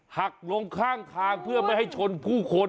หักลงข้างทางเพื่อไม่ให้ชนผู้คน